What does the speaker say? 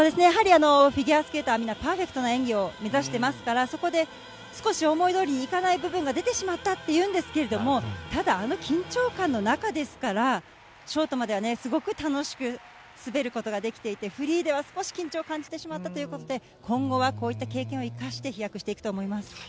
やはりフィギュアスケーターはみんなパーフェクトな演技を目指してますから、そこで少し思いどおりにいかない部分が出てしまったっていうんですけれども、ただ、あの緊張感の中ですから、ショートまではね、すごく楽しく滑ることができていて、フリーでは、少し緊張を感じてしまったということで、今後はこういった経験を生かして、飛躍していくと思います。